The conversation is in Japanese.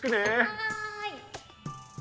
はい。